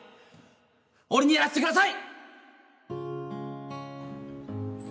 俺にやらせてください！